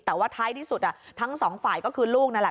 แต่ว่าท้ายที่สุดทั้งสองฝ่ายก็คือลูกนั่นแหละ